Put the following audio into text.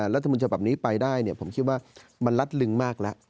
รัฐมนต์ฉบับนี้ไปได้ผมคิดว่ามันลัดลึงมากแล้ว